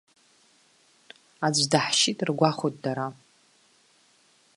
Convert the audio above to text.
Аӡә даҳшьит ргәахәит дара.